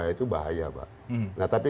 itu bahaya pak nah tapi